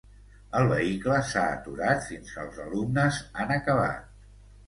El vehicle s’ha aturat fins que els alumnes han acabat.